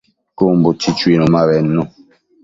Cun buchi chuinu ma bednu